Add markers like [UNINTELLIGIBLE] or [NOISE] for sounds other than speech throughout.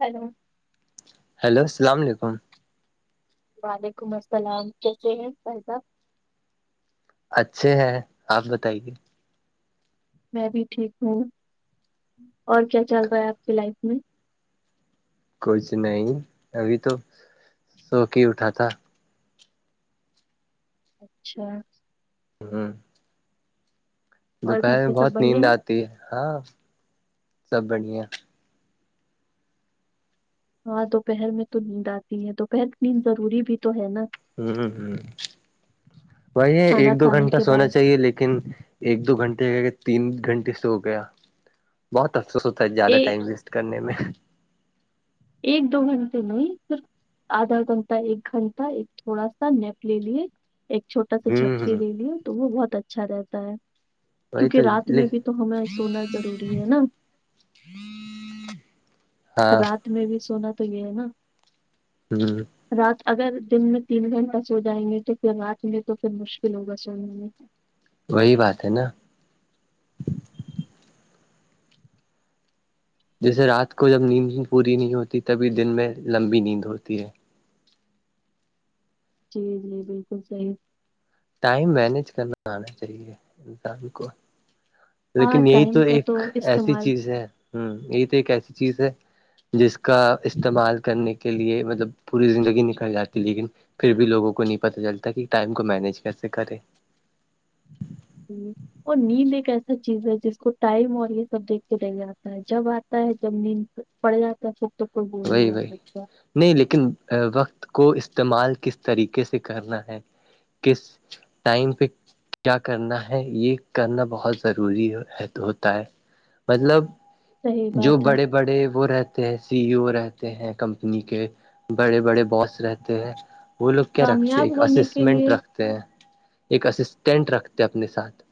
hello hello السلام علیکم وعلیکم السلام کیسے ہیں فائ صح اچھے ہیں آپ بتائیے میں بھی ٹھیک ہوں اور کیا چل رہا ہے آپ کے لائف میں کچھ نہیں ابھی تو سوک ہی اٹھا تھا اچھا ہ اور گھر دوپہر پہ میں سب بہت بڑھیا نیند آتی ہے ہاں سب بڑھیا ہاں دوپہر میں تو نیند آتی ہے دوپہر نیند ضروری بھی تو ہے نا ہ ہ وہائی ہے کھانا ایک دو کھانے گھنٹہ کے سونا بعد چاہیے لیکن ایک دو گھنٹے گئےئے تین گھنٹے سے ہو گیا بہت افسوس ہوتا ہے زیادہ ایک ٹائم ویس کرنے میں ایک دو گھنٹے نہیں س آدھا گھنٹہ ایک گھنٹہ ایک تھوڑا سا نیپ لے لیے ایک چھوٹا سا جھپکی ہ لے لیی ہے تو وہ بہت اچھا رہتا ہے وہی کیونکہ تو رات میں لے- بھی تو ہمیں سونا ضروری ہے نا ہاں رات میں بھی سونا تو یہ ہے نا ہوں رات اگر دن میں تین گھنٹہ سو جائیں گے تو پھر رات میں تو پھر مشکل ہوگا سونے میں وہی بات ہے نا جیسے رات کو جب نیند پوری نہیں ہوتی تبھی دن میں لمبی نیند ہوتی ہے جی جی بالکل صحیح ٹائم مینج کرنا آنا چاہیے انسان کو ہاں لیکن یہی تو ٹائم کا ایک ایسی استعمال چیز ہے ہ یہی تو ایک ایسی چیز ہے جس کا استعمال کرنے کے لیے مطلب پوری زندگی نکل جاتی لیکن پھر بھی لوگوں کو نہیں پتا چلتا کہ ٹائم کو مینج کیسے کرے [UNINTELLIGIBLE] اور نیند ایک ایسا چیز ہے جس کو ٹائم اور یہ سب دیکھ کے رہ جاتتا ہے جب آتا ہے جب نیند پڑے جاتتا فک توک کوئی بول نہیں وہی ہوا وہی سکتا نہیں لیکن وقت کو استعمال کس طریقے سے کرنا ہے کس ٹائم پک کیا کرنا ہے یہ کرنا بہت ضروری ہوتا ہے مطلب صحیح جو بات ہے بڑے بڑے وہ رہتے ہیں سی رہتے ہیں کمپنی کے بڑے بڑے باس رہتے ہیں وہ لوگ کیا رکھتے کامیاب ایک ہونے کے اسسمنٹ لیے رکھتے ہیں ایک اسسٹینٹ رکھتے ہیں اپنے ساتھ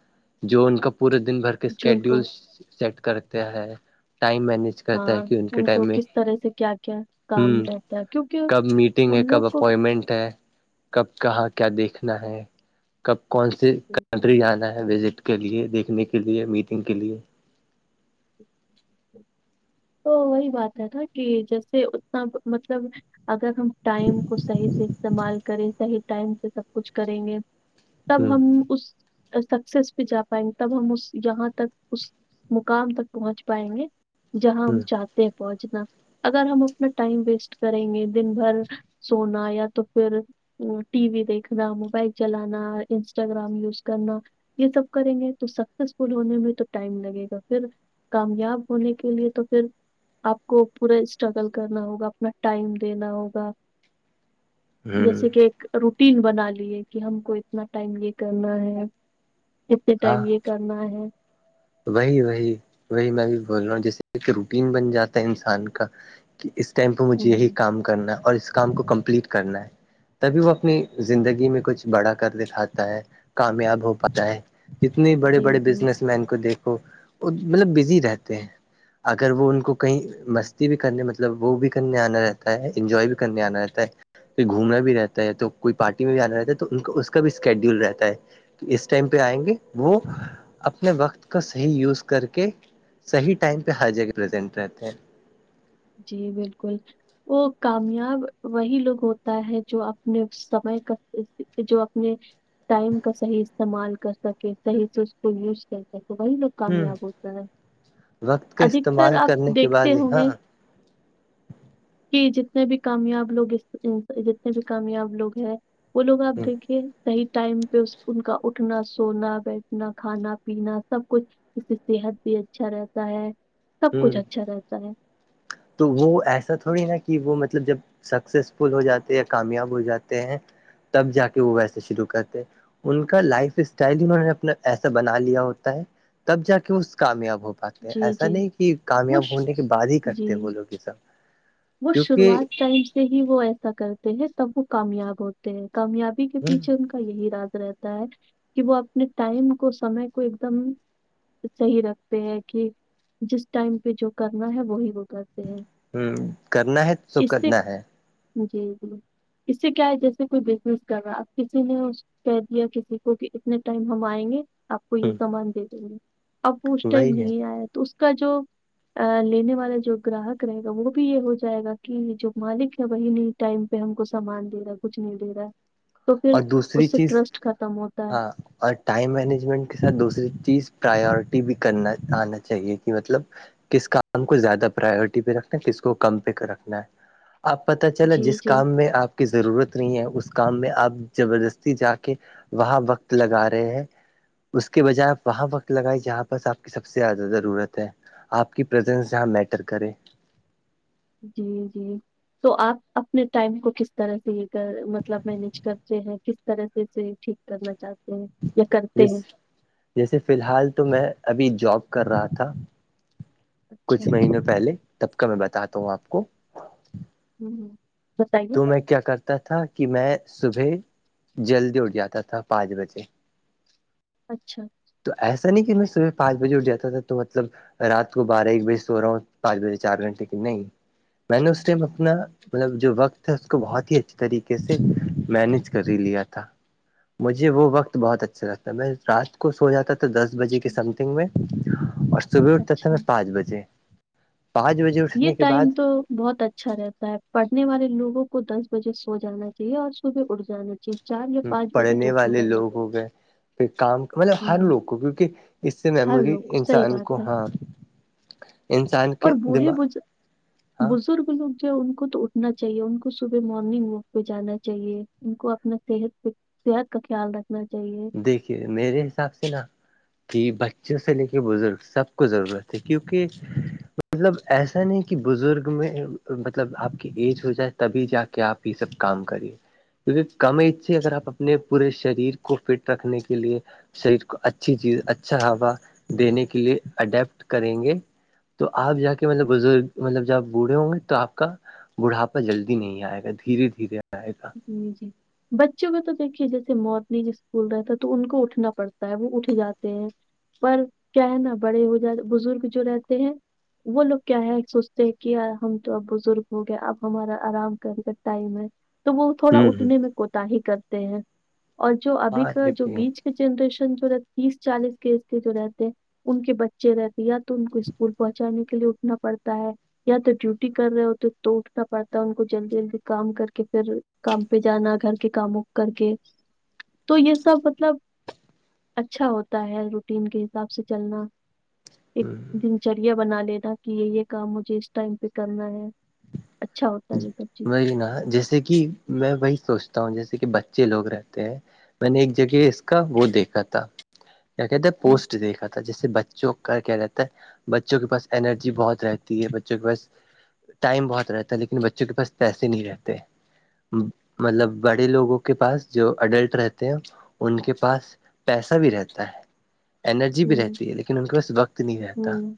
جو ان کا پورا دن بھر کر جن کو اسکیڈیول سیٹ کرتے ہیں ٹائم مینج کرتا ہاں ہے ان کو کس طرح سے کیا کیا ہوں کام رہتا ہے کیونکہ کب میٹنگ ہے ان کب لوگ کو اپوائنٹمنٹ ہے کب کہاں کیا دیکھنا ہے کب کون سی کنٹری جانا ہے وزٹ کے لیے دیکھنے کے لیے میٹنگ کے لیے تو وہی بات ہے نا کہ جیسے اتنا مطلب اگر ہم ٹائم کو صحیح سے استعمال کریں صحیح ٹائم سے سب کچھ کریں گے ہ تب ہم اس سکسیس پہ جا پائیں گے تب ہم اس یہاں تک اس مقام تک پہنچ پائیں گے جہاں ہم ہ چاہتے ہیں پہنچنا اگر ہم اپنا ٹائم ویسٹ کریں گے دن بھر سونا یا تو پھر ٹی وی دیکھنا موبائل چلانا انسٹاگرام یوز کرنا یہ سب کریں گے تو سکسیسفل ہونے میں تو ٹائم لگے گا پھر کامیاب ہونے کا کے لیے تو پھر آپ کو پورا اسٹرگل کرنا ہوگا اپنا ٹائم دینا ہوگا ہ جیسے کہ ایک روٹین بنا لیے کہ ہم کو اتنا ٹائم یہ کرنا ہے کتنے ہاں ٹائم یہ کرنا [UNINTELLIGIBLE] وہی وہی وہی میں بھی بول رہا ہوں جیسے ایک روٹین بن جاتا ہے انسان کا کہ اس ٹیم کو مجھے یہی ہوں، کام کرنا ہے اور اس کام کو کمپلیٹ کرنا ہے تبھی وہ اپنی زندگی میں کچھ بڑا کر دکھاتا ہے کامیاب ہو پاتا ہے جتنے بڑے جی بڑے جی بزنس مین کو دیکھو وہ مطلب بزی رہتے ہیں اگر وہ ان کو کہیں مستی بھی کرنے مطلب وہ بھی کرنے آنا رہتا ہے انجوائے بھی کرنے آنا رہتا ہے کہ گھومنا بھی رہتا ہے تو کوئی پارٹی میں بھی جانا رہتا ہے تو ان کا اس کا بھی اسکیڈیول رہتا ہے اس ٹائم پہ آئیں گے وہ اپنے وقت کا صحیح یوز کر کے صحیح ٹائم پہ ہر جگہ پرزینٹ رہتے ہیں جی بالکل وہ کامیاب وہی لوگ ہوتا ہے جو اپنے سمے کا جو اپنے ٹائم کا صحیح استعمال کر سکے صحیح سے اس کو یوز کر سکے وہی لوگ ہ کامیاب ہوتا ہے وقت کا ادھکتر استعمال آپ کرنے کے بعد دیکھتے ہوں ہاں گے کہ جتنے بھی کامیاب لوگ جتنے بھی کامیاب لوگ ہیں وہ لوگ آپ ہ دیکھیے صی ٹائم پہ ان کا اٹھنا سونا بیٹھنا کھانا پینا سب کچھ اس کی صحت بھی اچھا رہتا ہے سب ہ کچھ اچھا رہتا ہے تو وہ ایسا تھوڑی نا کہ وہ مطلب جب سکسیزفل ہو جاتے یا کامیاب ہو جاتے ہیں تب جا کے وہ ویسے شروع کرتے ان کا لائف اسٹائل انہوں نے اپنا ایسا بنا لیا ہوتا ہے تب جا کے وہ کامیاب ہو پاتے جی ایسا جی نہیں کہ وہ کامیاب ش- ہونے کے بعد ہی جی کرتے ہیں وہ لوگ یہ سب وہ کیونکہ شروعات ٹائم سے ہی وہ ایسا کرتے ہیں تب وہ کامیاب ہوتے ہیں کامیاب کے ہ پیچھے ان کا یہی راز رہتا ہے کہ وہ اپنے ٹائم کو سمے کو ایک دم صحیح رکھتے ہیں کہ جس ٹائم پہ جو کرنا ہے وہی وہ کرتے ہیں ہ کرنا ہے تو اس سے کرنا ہے جی جی اس سے کیا ہے جیسے کوئی بزنس کر رہا ہے اپ کسی نے کہ دیا کسی کو کہ اتنے ٹائم ہم آئیں گے آپ کو یہ ہ سامان دے دیں گی اب وہ اس ٹائم وہی ہے نہیں آیا تو کا جو لینے والا جو گراہک رہے گا وہ بھی یہ ہو جائے گا کہ جو مالک ہے وہی نہیں ٹائم پہ ہم کو سامان دے رہا ہے کچھ نہیں دے رہا ہے تو پھر اور دوسری اس سے چیز ٹرسٹ ختم ہوتا ہے ہاں اور ٹائم مینجمنٹ کے ساتھ دوسری چیز پرائیورٹی بھی کرنا آنا چاہیے کہ مطلب کس کام کو زیادہ پرائیورٹی پہ رکھنا ہے کس کو کم پہ رکھنا ہے آپ پت چلا جی جس جی کام میں آپ کی ضرورت نہیں ہے اس کام میں آپ زبردستی جا کے وہاں وقت لگا رہے ہیں اس کے بجائے آپ وہاں وقت لگائی جہاں پرس آپ کی سب سے زیادہ ضرورت ہے آپ کی پرریزنس جہاں میٹر کرے جی جی تو آپ اپنے ٹائم کو کس طرح سے یہ کر مطلب مینج کرتے ہیں کس طرح سے سے ٹھیک کرنا چاہتے ہیں یا کرتے ہیں جس جیسے فی الحال تو میں ابھی جاب کر رہا تھا اچھا کچھ مہیینوں پہلے تب کا میں بتاتا ہوں آپ کو ہوں ہ [INAUDIBLE] تو میں کیا کرتا تھا کہ میں صبح جلدی اٹھ جاتا تھا پانچ بجے اچھا تو ایسا نہیں کہ میں صبح پانچ بجے اٹ جاتا تھا تو مطلب رات کو بارہ ایک بجے سو رہا ہوں پانچ بجے چار گھنٹے کی نہیں میں نے اس ٹائم اپنا مطلب جو وقت تھا اس کو بہت ہی اچھھی طریقے سے مینج کر ہی لیا تھا مجھے وہ وقت بہت اچھا لگتا ہے میں رات کو سو جاتا تھا دس بجے کے اچھا سمتنگ میں اور صبح اٹھتا تھا اچھا میں پانچ بجے پانچ بجیے یہ ٹائم تو بہت اچھا رہتا تا ہے پڑھنے والے لوگوں کو دس بجے سو جانا چاہیے اور صبح اٹھ جانا چاہیے چار یا پانچ بجے پڑھنے تو اٹھ ہی والے جانا لوگ ہو چاہیے گئے پہ کام مطلب ہر ہوں لوگ کو کیونکہ اس سے ہر میموری لوگ کو صحیح انسان کو بات ہے ہاں انسان اور کے بوڑھے دماغ بز- ہاں لوگ بزرگ جو ان کو تو اٹھنا چاہیے ان کو صبح مارننگ واک پہ جانا چاہیے ان کو اپنا صحت پ صحت کا خیال رکھنا چاہیے دیکھیے میرے حساب سے نا ت بچوں سے لے کے بزرگ سب کو ضرورت ہے کیونکہ مطلب ایسا نہیں کہ بزرگ میں مطلب آپ کی ایج ہو جائے تبھی جا کے آپ یہ سب کام کریے کیونکہ کم سے اگر آپ اپنے پورے شریر کے کو فٹ رکھنے کے لیے شریر کو اچھی چیز اچھا ہوا دینے کے لیے اڈیپٹ کریں گے تو آپ جا کے مطلب بزرگ مطلب جب آپ بوڑھے ہوں گے تو آپ کا بڑھاپا جلدی نہیں آئے گا دھیرے دھیرے آئے گا جی جی بچوں کا تو دیکھیے جیسے مارننگ اسکول رہتا تو ان کو اٹھنا پڑتا ہے وہ اٹھ جاتے ہیں پر کیا ہے نا بڑے ہو جات بزرگ جو رہتے ہیں وہ لوگ کیا ہے سوچتے ہیں کہ ہم تو اب بزرگ ہو گیا اب ہمارا آرام کر کا ٹائم ہے تو وہ تھوڑا ہوں ہوں اٹھنے میں کوتااہی کرتے ہیں اور جو ابھی ہاں کا یہ جو بھی ہے بیچ جنریشن جو رہ تیس چالیس کےز کے جو رہتے ہیں ان کے بچے رہتے یا تو ان کو اسکول پہنچانے کے لیے اٹھنا پڑتا ہے یا تو ڈیوٹی کر رہے ہوتے تو اٹھنا پڑتا ہے ان کو جلدی جلدی کام کر کہ پھر کام پہ جانا گھر کے کاموں کر کے تو یہ سب مطلب اچھا ہوتا ہے روٹین کے حساب سے چلنا ایک ہوں دنچریا بنا لینا کہ یہ یہ کام مجھے اس ٹائم پہ کرنا ہے اچھا ہوتا ہے یہ سب چیز مری نا جیسے کہ میں وہی سوچتا ہوں جیسے کہ بچے لوگ رہتے ہیں میں نے ایک جگہ اس کا وہ دیکھا تھا کیا کہ تھا ہوں پوسٹ دیکھا تھا جیسے بچوں کا کیا کہتا ہے بچوں کے پاس انرجی بہت رہتی ہے بچوں کے پاس ٹائم بہت رہتا ہے لیکن بچوں کے پاس پیسے نہیں رہتے مطلب بڑے لوگوں کو کے پاس جو اڈلٹ رہتے ہیں ان کے پاس پیسہ بھی رہتا ہے انرجی بھی ہوں رہتی ہے لیکن ان کے پاس وقت نہیں رہتا ہوں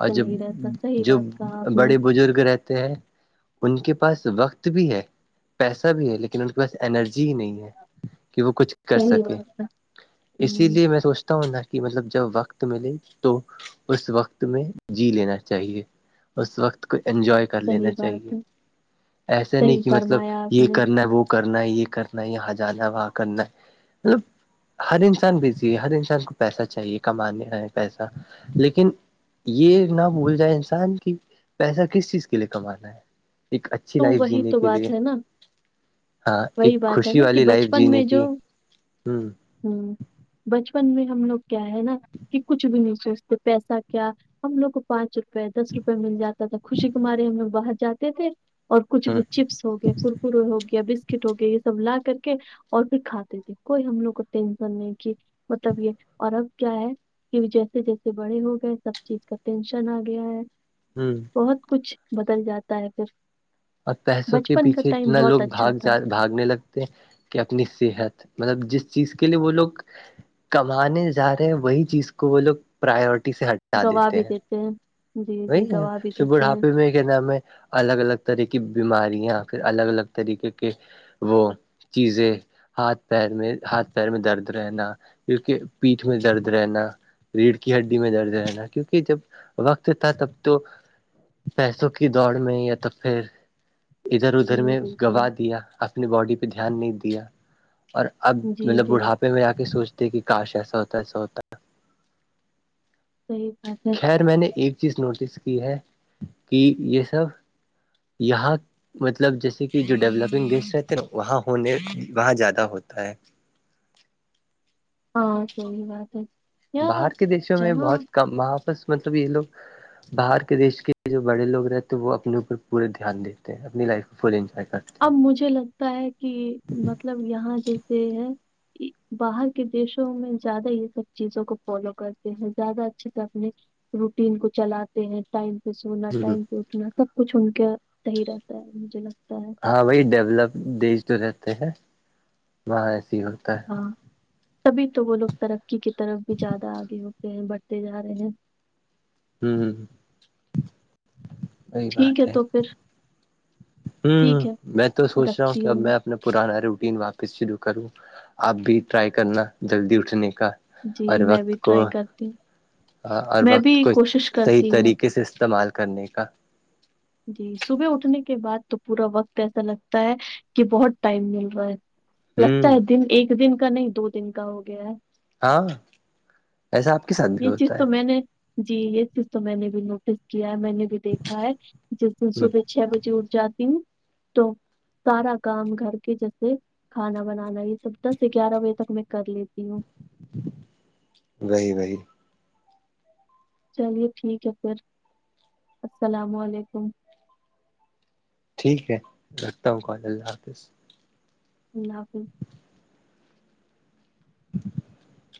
اور جب نہیں رہتا صحیح جو بات کہا آپ نے بڑے بزرگ رہتے ہیں ان کے پاس وقت بھی ہے پیسہ بھی ہے لیکن ان کے پاس انرجی ہی نہیں ہے کہ وہ کچھ کر صحیح سکے بات کہا اسی ہوں لیے میں سوچتا نہ کہ مطلب جب وقت ملے تو اس وقت میں جی لینا چاہیے اس وقت کو انجوائے کر لینا صحیح چاہی چاہیے بات ہے، ایسا نہیں صحیح کہ مطلب فرمایا آپ یہ نے، کرنا وہ کرنا ہے یہ کرنا ہے یہاں جانا وہاں کرنا ہے مطلب ہر انسان بزی ہے ہر انسان کو پیسہ چاہیے کمانے میں پیسہ لیکن یہ نہ بھول جائے انسان کی پیسہ کس چیز کے لیے کمانا ہے ایک اچھی تو لائف وہی جینے تو کے لیے بات ہے نا، ہاں ایک وہی بات ہے خوشی نا کہ والی لائف بچپن جینے میں جو کی ہوں ہوں بچپن میں ہم لوگ کیا ہے نا کہ کچھ بھی نہیں سوچتے پیسہ کیا ہم لوگ کو پانچ روپ دس روپئے مل جاتا تھا خوشی کماراری ہم لگ باہر جاتے تھے اور کچھ ہ بھی چپس ہو گیا ککرے ہو گیا ب کٹو کے یہ سب لا کر کے اور پھر کھاتے تھے کوئی ہم لوگ کو ٹینشن نہیں کہ ملب یہ اور اب کیا ہے کہ جیسے جیسے بڑے ہو گئے سب چیز کا ٹینشن آ گیا ہے ہوں بہت کچھ بدل جاتا ہے پھر اور پیسوں کے بچپن کا پیچھے ٹائم اتنا بہت لوگ اچھا بھاگ تھا جا بھاگنے لگتے کہ اپنی صحت مطلب جس چیز کے لیے وہ لوگ کمانے جا رہے وہی چیز کو وہ لوگ پراورٹی سے ہٹ گواہا بھی دیتے ہیں جی وہی جی ہے گواہ بھی پھر دیتے ہیں بڑھاپے میں نام ہے الگ الگ طرح کی بیماریاں پھر الگ الگ طریقے کے وہ چیزیں ہاتھ پیر میں ہاتھ پیر میں درد رہنا کیونکہ پیٹھ میں درد رہنا ریڑھ کی ہڈی میں درد رہنا کیونکہ جب وقت تھا تب تو پیسوں کی دوڑ میں یا تو پھر ادھر ادھر جی میں بالکل گوا دیا اپنی باڈی پہ دھیان نہیں دیا اور اب جی مطلب جی بڑھاپے میں آ کے سوچتے کہ کاش ایسا ہوتا ہے ایسا ہوتا صی خیر میں نے ایک چیز نوٹس کی ہے کہ یہ سب یہاں مطلب جیسے کہ جو ڈیولپنگ دیش رہتے نا وہاں ہونے وہاں زیادہ ہوتا ہے ہاں صحیح بات ہے یار باہر کے دیشوں میں جہاں بہت کم وہاںپس مطلب یہ لوگ باہر کے دیش کے جو بڑے لوگ رہتے ہیں وہ اپنے اوپر پورے دھیان دیتے ہیں اپنی لائف کو فول انجوائے کرتے ہیں اب مجھے لگتا ہے کہ مطلب یہاں جیسے ہے باہر کے دیشوں میں زیادہ یہ سب چیزوں کو فالو کرتے ہیں زیادہ اچھے سے اپنے روٹین کو چلاات ٹائم پہ سونا ہ ٹائم پہ اٹھنا سب کچھ ان کے صح ہی رہتا ہے مجھے لگتا ہے ہاں بی ڈیولپ دیش جو رہتے ہیں وہاں ایسے ہی ہو ہاں تبھی تو وہ لوگ ترقی کی طرف بھی زیادہ آگے ہوتے ہیں بڑھتے جا رہے ہیں [UNINTELLIGIBLE] وہی ٹھیک ہے بات تو پھر ہوں ٹھیک ہے میں تو سوچ رہا ہوں کہ اب میں اپنا پرانا روٹین واپس شروع کروں آپ بھی ٹرائی کرنا جلدی اٹھنے کا جی میں بھی ٹرائی کرتی ہوں ہاں اور میں بھی وقت کو کوشش صحیح کرتی ہوں طریقے سے استعمال کرنے کا جی صبح اٹھنے کے بعد تو پورا وقت ایسا لگتا ہے کہ بہت ٹائم مل رہا ہے لگتا ہوں ہے دن ایک دن کا نہیں دو دن کا ہو گیا ہے ہاں ایسا آپ ساتھ بھی یہ چیز ہوتا ہے تو میں نے جی یہ چیز تو میں نے بھی نوٹس کیا ہے میں نے بھی دیکھا ہے جس دن ہ صبح چھ بجے اٹھ جاتی ہوں تو سارا کام گھر کے جیسے کھانا بنانا یہ سب دس گیارہ بجے تک میں کر لیتی ہوں نہیں بھائی چلیے ٹھیک ہے پھر السلام علیکم ٹھیک ہے رکھتا ہوں کال اللہ حافظ [INAUDIBLE] [INAUDIBLE]